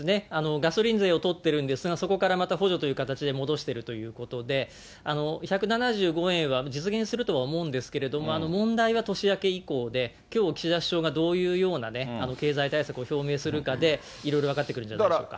ガソリン税を取ってるんですが、そこからまた補助という形で戻してるということで、１７５円は実現するとは思うんですけど、問題は年明け以降で、きょう、岸田首相がどういうような経済対策を表明するかで、いろいろ分かってくるんじゃないでしょうか。